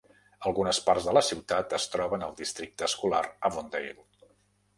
Algunes parts de la ciutat es troben al districte escolar Avondale.